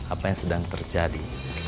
apa yang sedang terjadi